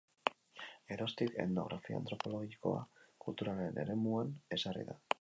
Geroztik etnografia antropologia kulturalaren eremuan ezarri da.